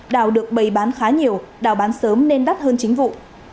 đào được bày bán khá nhiều đào bán sớm nên đắt hơn chính vụ